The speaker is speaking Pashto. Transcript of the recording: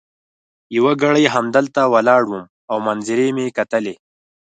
یو ګړی همدلته ولاړ وم او منظرې مي کتلې.